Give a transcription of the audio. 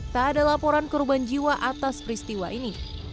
tak ada laporan korban jiwa atas peristiwa ini